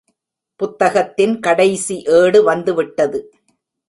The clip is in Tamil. புத்தகத்தின் கடைசி ஏடு வந்துவிட்டது.